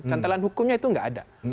cantelan hukumnya itu nggak ada